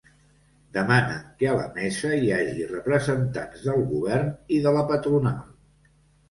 Demanen que a la mesa hi hagi representants del govern i de la patronal.